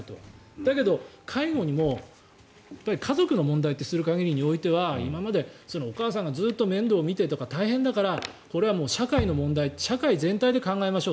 だけど介護も、家族の問題ってする限りにおいては今までお母さんがずっと面倒を見て大変だから、これは社会の問題社会全体で考えましょう。